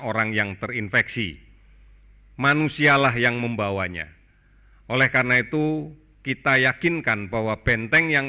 orang yang terinfeksi manusialah yang membawanya oleh karena itu kita yakinkan bahwa benteng yang